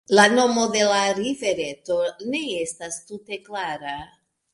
La nomo de la rivereto ne estas tute klara.